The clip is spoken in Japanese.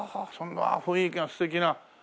ああ雰囲気が素敵な。